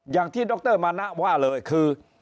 อย่างที่ดรมานะว่าเลยคือ